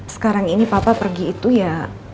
sekarang ini papa pergi itu ya